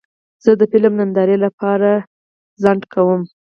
زه د فلم نندارې لپاره ځنډ کوم.